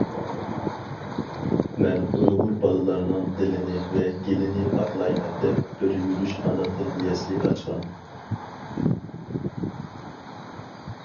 مەن ئۇيغۇر بالىلارنىڭ دىلىنى ۋە گېلىنى پاكلايمەن دەپ بىر يۈرۈش ئانا تىل يەسلى ئاچقان.